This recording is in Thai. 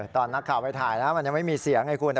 ตอนนักข่าวไปถ่ายนะมันยังไม่มีเสียงไงคุณ